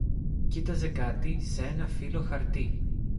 Κοίταζε κάτι σε ένα φύλλο χαρτί